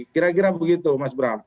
kira kira begitu mas bram